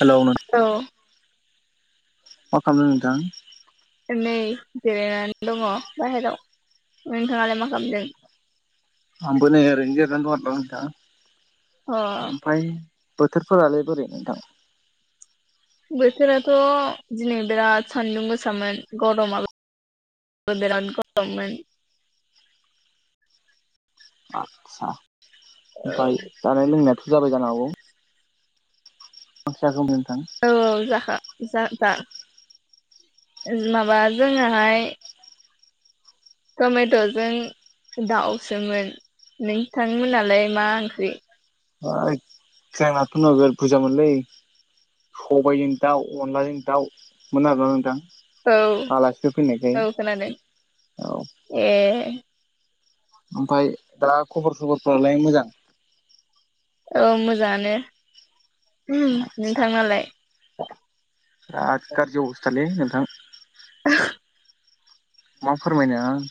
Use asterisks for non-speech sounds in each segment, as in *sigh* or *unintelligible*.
Hello नों औ। मा खालामदों नोंथां? नै जिरायनानै दङ बाहेराव नोंथाङालाय मा खालामदों? आंबो नै ओरैनो जिरायनानै दं आरोना अ नोंथां ओमफाय बोथोरफोरालाय बोरै नोंथां? बोथोराथ' दिनै बिराद सान्दुं गोसामोन गरमाबो बो बेराद गरममोन। आस्सा औ ओमफ्राय जानाय लोंनायाथ' जाबाय जानो हागौ? मा ओंख्रि जाखो नोंथां‌? औ जाखा जा-जा ओ माबा जोंनाहाय टमेट'जों दाउसोमोन नोंथां मोननालाय मा ओंख्रि? जोंनाथ' नोगोर बुरजा मोनलै सबायजों दाउ अनलाजों दाउमोन आरोना नोंथां। आलासिफोर फैनायखाय औ औ खोनादों औ एह। ओमफाय दा खबर सबरफ्रालाय मोजां? औ मोजाङानो आदसा नोंथांनालाय? बिराद गाज्रि अबस्थालै नोंथां। *unintelligible* मा फोरमायनो आं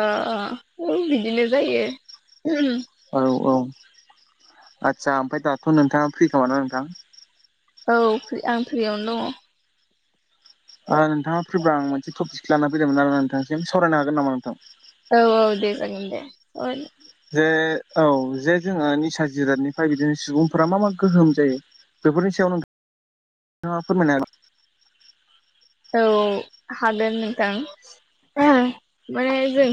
अ अ औ बिदिनो जायो औ औ आदसा ओमफ्राय दाथ' नोंथाङा फ्रि खोमा ना नोंथां? औ फ्रि आं फ्रियावनो दङ। ओ नोंथाङा फ्रिबा आं मोनसे टपिकसो लानानै फैदोंमोन आरो नोंथांनिसिम सावरायनो हागोन नामा नोंथां? औ औ दे जागोन दे सावरायगोन। जे औ जे जोंङो निसा जिरादनिफ्राय बिदिनो सुबुंफोरा मा मा गोहोम जायो? बेफोरनि सायाव नोंथाङा फोरमायनो हागोन नामा? औ हागोन नोंथां। माने जों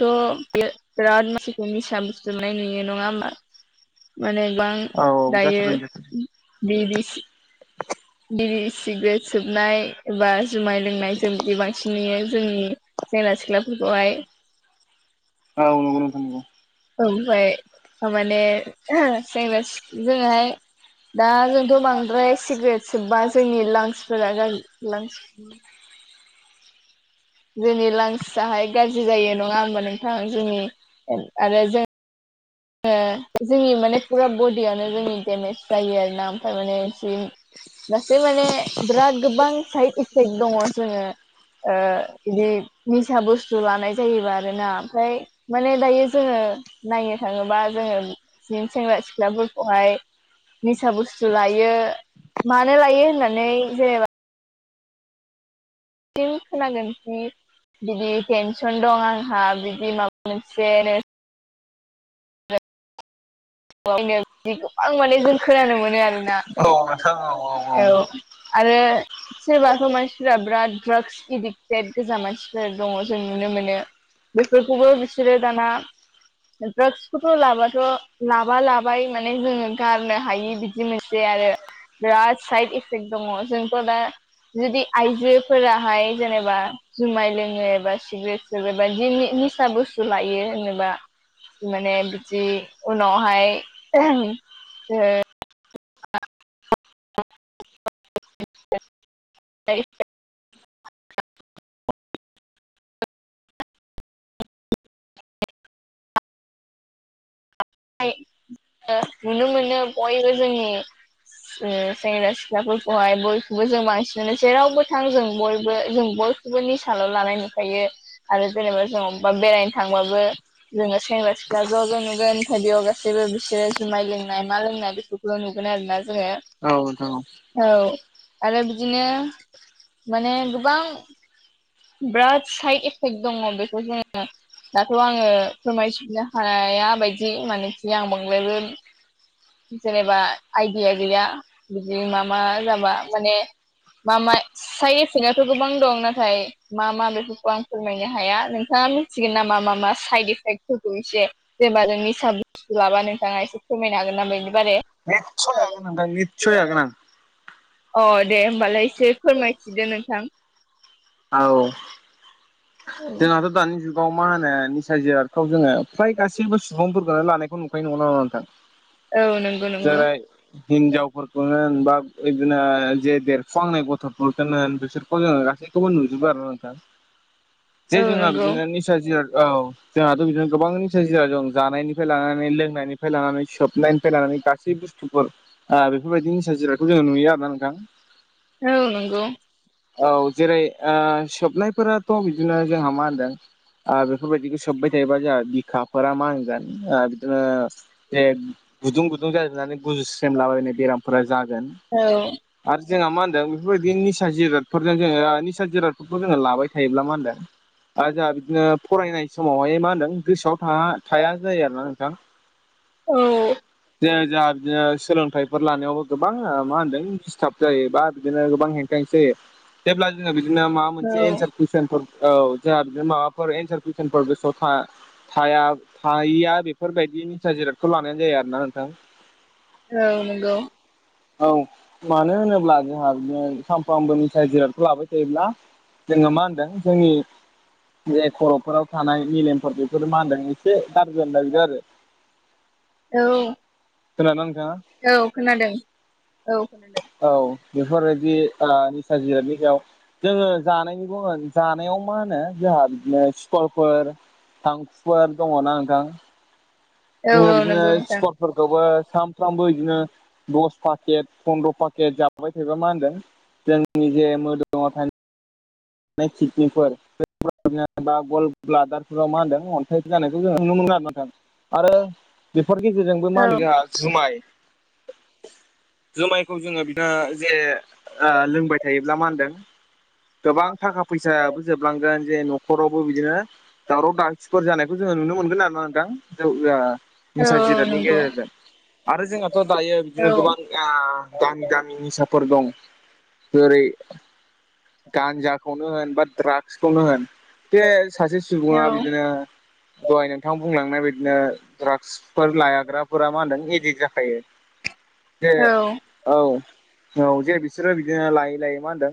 थ' बे-बेराद मानसिखौ निसा बुस्थु मोननाय नुयो नङा होमबा? माने बां हागोन औ औ दायो जाथारदों जाथारदों बिरि सि बिरि सिग्रेट सोबनाय एबा जुमाय लोंनाय जों बिदि बांसि न नुयो जोंनि सेंग्रा सिख्लाफोरखौहाय। औ नंगौ नोंथां नंगौ। ओमफाय थारमाने सेंग्रा सि जोंङो हाय दा जोंथ' बांद्राय सिग्रेट सोबबा जोंनि लांसफोरा गाज्रि लांसनि जोंनि लांस आहाय गाज्रि जायो नङा होमबा नोंथां? जोंनि आरो जों ङो जोंनि माने फुरा बडियावनो जोंनि डेमेज जायो आरोना ओमफ्राय माने जिन गासै माने बिराद गोबां साइद इफेक्ट दङ जोङो ओ बिदि निसा बुस्थु लानाय जायोबा आरो ना ओमफ्राय माने दायो जोङो नायनो थाङोबा जोङो जोंनि सेंग्रा सिख्लाफोरखौहाय निसा बुस्थु लायो मानो लायो होननानै जेनेबा फिन खोनागोनखि बिदि टेनसन दं आंहा बिदि माबा मोनसेनो *unintelligible* आं माने जों खोनानो मोनो आरोना। औ नोंथां औ औ। औ। आरो सोरबाथ' मानसिफोरा बिराद ड्राग्स एदिक्टेड गोजा मानसिफोर दङ जों नुनो मोनो। बेफोरखौबो बिसोरो दाना ड्राग्सखौथ' लाबथ' लाबा लाबाय माने जोङो गारनो हायि बिदि मोनसै आरो बिराद साइद इफेक्ट दङ जोंथ' दा जुदि आइजोफोराहाय जेनेबा जुमाय लोङो एबा सिग्रेट सोबो बा दिनि निसा बुस्तु लायो होनोबा माने बिदि उनावहाय ओ *unintelligible* थाय ओ नुनो मोनो बयबो जोंनि ओ सेंग्रा सिख्लाफोरखौहाय बयखौबो जों बांसिनानो जेरावबो थां जों बयबो जों बय खौबो निसाल' लानाय नुखायो। आरो जेनेबा जों अब्बा बेरायनो थांबाबो जोङो सेंग्रा सिख्ला ज' ज' नुगोन। हा बेयाव गासैबो बिसोरो जुमाय लोंनाय मा लोंनाय बेफोरखौल' नुगोन आरोना जोङो। औ नोंथां औ। औ। आरो बिदिनो माने गोबां बिराद साइद इफेक्ट दङ बेखौ जोङो दाथ' आङो फोरमायजोबनो हाया बायदि मानोखि आं बांद्रायबो जेनेबा आइदिया गैया बिदि मा मा जाबा माने मा मा साइट एपेक्टआथ' गोबां दं नाथाय मा मा बेफोरखौ आं फोरमायनो हाया, नोंथाङा मिथिगोन नामा मा मा साइद इफेक्टफोरखौ एसे जेनेबा जों निसा बुस्थु लाबा नोंथाङा एसे फोरमायनो हागोन नामा बेनि बारै ‍? निदसय हागोन नोंथां निसय हागोन आं। अ दे होमबालाय एसे फोरमायथिदो नोंथां। औ जोंहाथ' दानि जुगाव मा होनो निसा जिराथखौ जोङो फ्राय गासैबो सुबुंफोरफोरखौनो लानायखौ नुखायोनाय नंगौ ना नङा नोंथां? औ नंगौ नंगौ जेरै हिनजावफोरखौनो होन बा बिदिनो जे देरफुांनाय गथ'फोरखौनो बिसोरखौनो होन गासै खौबो नुजोबो आरो नोंथां जे औ जोंहा नंगौ बिदिनो निसा जिराद औ जोंहाथ' बिदिनो गोबां निसा जिराया जों जानायनिफ्राय लानानै लोंनायनिफ्राय लानानै सोबनायनिफ्राय लानानै गासै बुस बेफोरबायदि निसा जिरायखौ जोङो नुयो आरो ना नोंथां। औ नंगौ औ जेरै ओ सोबनायफोराथ' बिदिनो जोंहा मा होनदों आ बेफोरबायदिखौ सोब्बाय थायोबा जोंहा बिखाफोरा मा होनगोन ओ बिदिनो जे गुदुं गुदुं जाजोबनानै गुजुस्रेम लाबायनाय बेरामफोरा जागोन। औ आरो जोंहा मा होनदों बेफोरबायदि निसा जिरादफोरजों जोङो निसा जिरादफोरखौ जोङो लाबाय थायोब्ला मा होनदों ओ जोंहा बिदिनो फरायनाय समावहाय मा होनदों गोसोआव था- थाया जायो आरोना नोंथां। *unintelligible* औ जे जोंहा बिदिनो सोलोंथाइफोर लानायावबो गोबां ओ मा होनदों डिस्टार्ब जायोबा बिदिनो गोबां हें जायो। जेब्ला जोङो बिदिनो माबा औ मोनसे एनसार कुइसनफोर औ जोंहा बिदिनो माबाफोर एनसार कुइसनफोर गोसोआव था थाया थायिया बेफोरबायदि निसा जिरादखौ लानायानो जाया आरो ना नोंथां। औ नंगौ औ मानो होनोब्ला जोंहा बिदिनो सामफ्रामबो मिथाइ जिरादखौ लाबाय थायोब्ला जोङो मा होनदों जोंनि बे खर'फोराव थानाय मेलेमफोर बेफोरो मा होनदों एसे गारजि जानो नागिरो आरो। *unintelligible* औ खोनादोंना नोंथाङा? औ खोनादों औ खोनादों। औ बेफोरबायदि निसा जिरादनि सायाव जोङो जानायनि बुङो जानायाव मा होनो जोंहा बिदिनो स्कलफोर थांखुफोर दङना नोंथां। औ जोङो औ बिदिनो नंगौ नोंथां स्करफोरखौबो सानफ्रामबो बिदिनो दस पाकेट फन्द्र' पाकेट जाबाय थायोबा मा होनदों जोंनि जे मोदोमाव था *unintelligible* सिकनिफोर बे *unintelligible* गल ब्लादारफोराव मा होनदों अन्थाइफोर जानायखौ जों नुनो मोनो आरो नोंथां आरो बेफोर गेजेरजोंबो मा औ होनो जोंहा जुमाय जुमायखौ जोङो बि *unintelligible* जे लोंबाय थायोब्ला मा होनदों गोबां थाखा फैसाबो जोबलांगोन जे न'खरावबो बिदिनो दावराव दावसिफोर जानायखौ जोङो नुनो मोनगोन आरो ना नोंथां जौ ओ औ निसा जिरादनि नंगौ गेजेरजों। आरो जोंहाथ' दायो औ बिदिनो गोबां आ गामि दामि निसाफोर दं जेरै गान्जाखौनो होन बा दड्राग्सखौनो होन बे सासे औ सुबुङा बिदिनो दहाय नोंथां बुंलांनाय बिदिनो दड्राग्सफोर लायाग्राफोरा मा होनदों एडिक्ट जाखायो। जे औ औ औ जे बिसोरो बिदिनो लायै लायै मा होनदों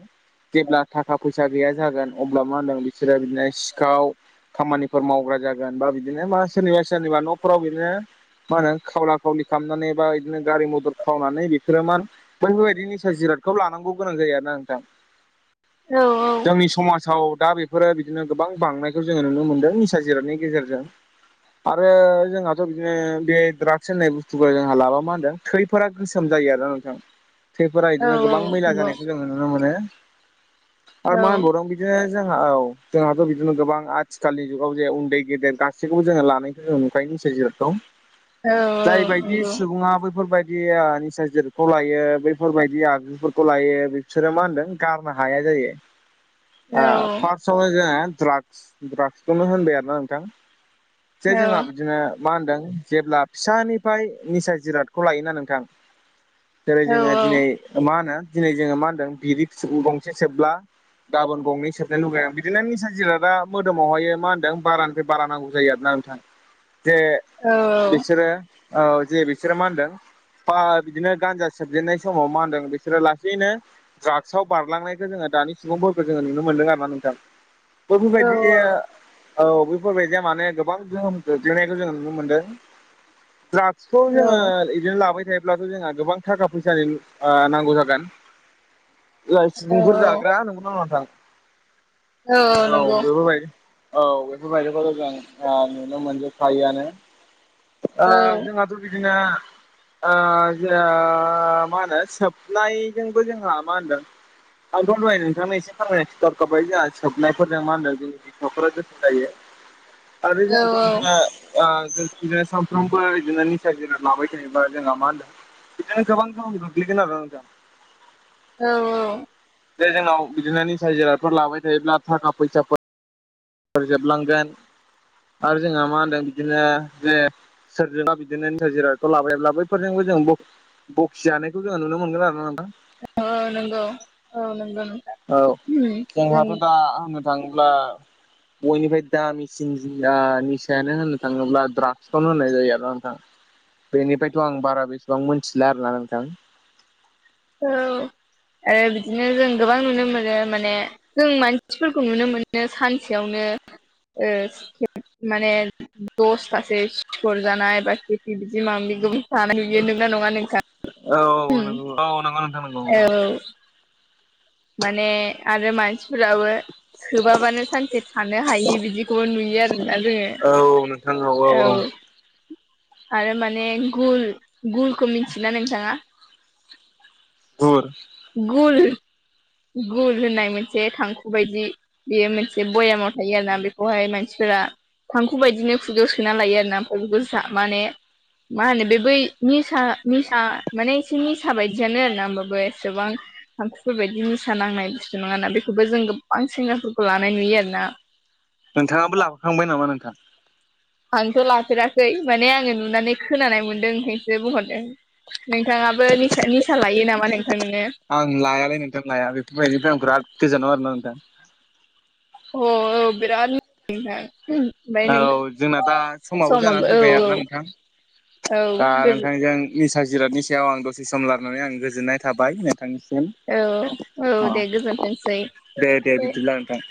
जेब्ला थाखा फैसा गैया जागोन अब्ला मा होनदों बिसोरो बिदिनो सिखाव खामानिफोर मावग्रा जागोन बा बिदिनो मा सोरनिबा सोरनिबा न'फोराव बिदिनो मा होनो खावला खावलि खालामनानै बा बिदिनो गारि मदर खावनानै बे सोरो मान बैफोरबायदि निसा जिरादखौ लानांगौ गोनां जायो आरो ना नोंथां। औ औ जोंनि समाजाव दा बेफोरो बिदिनो गोबां बांनायखौ जोङो नुनो मोनदों निसा जिरादनि गेजेरजों। आरो जोंहाथ' बिदिनो बे द्रागस होननाय बुस्थुखौ जोंहा लाबा मा होनदों थैफोरा गोसोम जायो आरोना नोंथां थैफोरा औ बिदिनो गोबां मैला नंगौ जानायखौ जोङो नुनो मोनो। औ आरो मा होनबावदों बि बिदिनो जोंहा औ जोंहाथ' बिदिनो गोबां आथिखालनि जुगाव जे उन्दै गेदेर गासैखौबो जोङो लानाय ओंखायनोस जिहोथोव औ जायबायदि नंगौ सुबुङा बैफोरबायदि। दि निसा जतखौ लायो बैफोरबायदि आगजुफोरखौ लायो बिसोरो मा होनदों गाब नो हाया जायो औ ओ पास थावावनो जोङो ड्राग्स ड्राग्सखौनो होनबाय आरोना नोंथां जे औ जोंहा बिदिनो। मा होनदों जेब्ला फिसानिफ्राय निसा जिरादखौ लायोना नोंथां। जेरै जोङो दिनै मा होनो दिनै जोङो मा होनदों बिरि गंसे सोबब्ला। गाबोन गंनै सबनायनो लुगैं बिदिनो निसा जिरादा मोदोमावहाय मा होनदों बारानिफ्राय‌ बा रा नांगौ जायो आरोना नोंथां जे बिसोरो। औ जे बिसोरो मा होनदों बा बिदिनो गान्जा सबजेननाय समाव मा होनदों बिसोरो लासैनो दड्राग्सआव बारलांनाय जोङो दानि सुबुंफोरखौ जोङो नुनो मोनदों आरो ना नोंथां बैफोरबायदि औ बेफोरबायदिया माने गोबां गोहोम गोग्लैनायखौ जों नुनो मोनदों। खौ जोङो इदिनो लाबाय थायो ब्लाबो जोंहा गोबां थाखा फैसानि ओ नांगौ जागोन। औ सुबुंफोर जाग्रा नंगौना नोंथां औ बेफोरबायदि। औ बेफोरबायदिखौ जों नुनो मोनजोबखायोआनो। ओ जोंहाथ' बिदिनो ओ जो मा होनो सोबनायजोंबो जोंहा मा होनदों। आंथ' दहै नोंथांनो एसे फोरमाय ना खोथा हरखाबाय जोंहा सोबनायफोरजों मा होनदों जोंहा न'फोरा गोथोम जायो। आरो जों *unintelligible* बिदिनो सानफ्रोमबो बिदिनो निसा जिराद लाबाय थायोबा जोंहा मा होनदों। बेदिनो गोबां गोहोम गोगलैदों आरो ना नोंथां। औ औ जे जोंनाव बिदिनो निसा जिरादफोर लाबाय थायोब्ला थाखा फैसाफोर। फोर जोबलांगोन आरो जोंहा मा होनदों बिदिनो जे सोरजोंबा बिदिनो निसा जिरादखौ लाफायोब्ला बैफोरजोंबो जों बु बखिजानायखौ जोङो नुनो मोनगोन आर ना नोंथां। औ नंगौ औ नंगौ नोथां औ उम जोंहाथ' जोंनि दा होननो थाङोब्ला बयनिफ्राय दामिसिन जोना निसायानो होनो थाङोब्ला द्राग्सखौनो होनाय जायो आरो नोंथां। बेनिफ्रायथ' आं बारा बेसेबां मोनथिला आरोना नोंथां। औ आरो बिदिनो जों गोबां नुनो मोनो माने। जों मानसिफोरखौ नुनो मोनो सानसेयावनो ओ माने दससे सिखर जानाय बा खेथि बिदि माबा गो *unintelligible* जानाय नुयो नंगौ ना नङा औ नों उम नंगौ औ नंगौ नोथां नंगौ औ माने आरो मानसिफोराबो सोबाबानो सानसे थानो हायि बिदिखौबो नुयो आरोना जोङो। औ औ औ औ आरो माने गुल गुलखौ मिथियोना नोंथाङा? गुर गुल गुल होननाय मोनसे थांखु बायदि। बेयो मोनसे बयामाव थायो आरोना बेखौहाय मानसिफोरा। थांखु बायदिनो खुगायाव सोना लायो आरोना आमफाय बेखौ माने मा होनो बे बै निसा निसा माने एसे निसा बायदियानो आरो ना होमबाबो एसेबां थांखुफोर बायदि। निसा नांनाय बि नङाना बेखौबो जों गोबां सेंग्राफोर खौ लानाय नुयो आरोना थांबाय नामा नोंथां? आंथ' लाफेराखै माने आङो नुनानै खोनानाय मोनदों ओंखायसो बुंहरदों। नोंथाङाबो निसा लायो नामा नोंथां नोङो? आं लायालाय नोंथां लाया बेफोरबादिनिफ्राय आं बेराद गोजोन अ बेराद *unintelligible* नोथां औ जोंना दा समाबो जानानै औ फैबाय औ आरोना नोंथां औ दा गोजोन नोंथांजों निसा जिरादनि सायाव आं दसे सम लानानै आं गोजोननाय थाबाय नोंथांनिसिम औ औ अ दे गोजोनथोंसै दे दे बिदिब्ला नोथां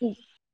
द *unintelligible*